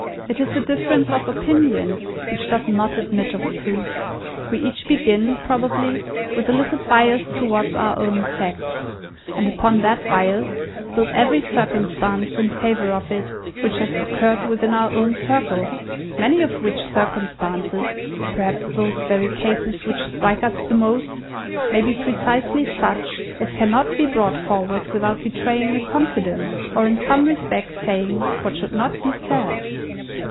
It is a difference of opinion which does not admit of proof. We each begin, probably, with a little bias towards our own sex; and upon that bias build every circumstance in favour of it which has occurred within our own circle; many of which circumstances (perhaps those very cases which strike us the most) may be precisely such as cannot be brought forward without betraying a confidence, or in some respect saying what should not be said."